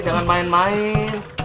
jangan main main